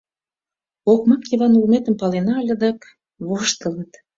— Окмак Йыван улметым палена ыле дык... — воштылыт.